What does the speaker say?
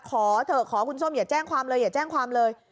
ขอเถอะขอคุณส้มอย่าแจ้งความเลยอย่าแจ้งความเลย